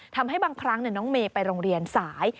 ทำให้บางครั้งน้องเมย์ไปโรงเรียนสาย